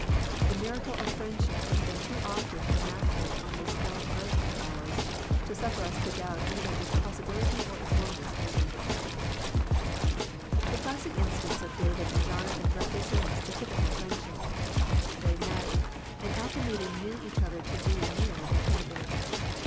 The miracle of friendship has been too often enacted on this dull earth of ours, to suf* fer us to doubt either its possibility or its wondrous beauty. The classic instance of David and Jona than represents the typical friendship. They met, and at the meeting knew each other to be nearer than kindred.